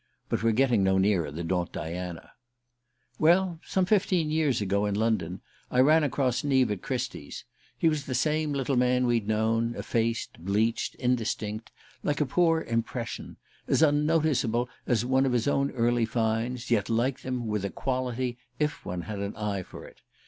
But we're getting no nearer the Daunt Diana... Well, some fifteen years ago, in London, I ran across Neave at Christie's. He was the same little man we'd known, effaced, bleached, indistinct, like a poor "impression" as unnoticeable as one of his own early finds, yet, like them, with a quality, if one had an eye for it.